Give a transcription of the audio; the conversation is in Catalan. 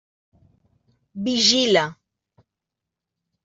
Vigila.